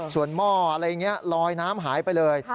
ส่วนหม้ออะไรอย่างนี้ลอยน้ำหายไปเลย